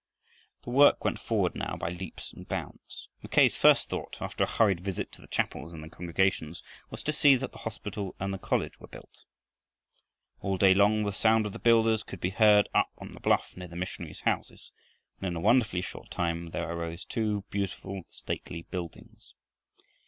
The work went forward now by leaps and bounds. Mackay's first thought, after a hurried visit to the chapels and their congregations, was to see that the hospital and college were built. All day long the sound of the builders could be heard up on the bluff near the missionaries' houses, and in a wonderfully short time there arose two beautiful, stately buildings.